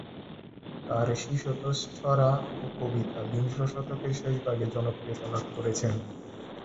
তার শিশুতোষ ছড়া ও কবিতা বিংশ শতকের শেষভাগে জনপ্রিয়তা লাভ করেছেন।